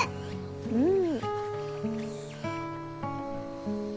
うん。